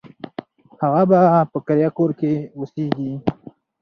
هغه به په کرایه کور کې اوسیږي.